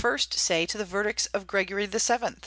say to the verdicts of Gregory VII.?